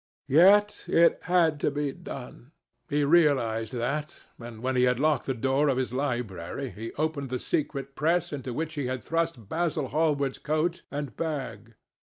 Yet it had to be done. He realized that, and when he had locked the door of his library, he opened the secret press into which he had thrust Basil Hallward's coat and bag.